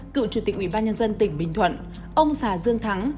cựu chủ tịch ủy ban nhân dân tỉnh bình thuận ông xà dương thắng